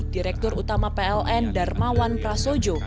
direktur utama pln darmawan prasojo